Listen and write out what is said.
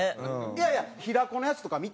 いやいや平子のやつとか見た？